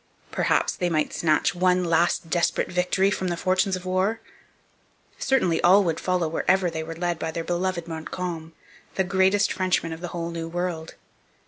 Perhaps they might snatch one last desperate victory from the fortunes of war? Certainly all would follow wherever they were led by their beloved Montcalm, the greatest Frenchman of the whole New World.